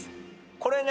これね。